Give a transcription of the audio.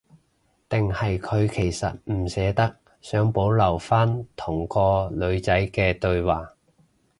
定係佢其實唔捨得，想保留返同個女仔嘅對話